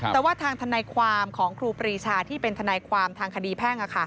แต่ว่าทางทนายความของครูปรีชาที่เป็นทนายความทางคดีแพ่ง